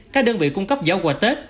các đơn vị cung cấp giỏ quà tết